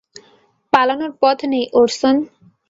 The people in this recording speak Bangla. পালানোর পথ নেই, ওরসন।